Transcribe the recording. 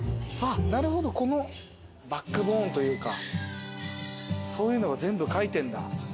なるほどこのバックボーンというかそういうのが全部書いてんだ。